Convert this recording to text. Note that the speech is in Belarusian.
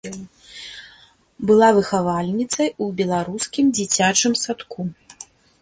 Была выхавальніцай у беларускім дзіцячым садку.